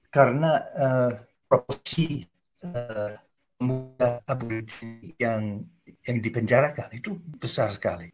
karena proposi pemuda aborigine yang dipenjarakan itu besar sekali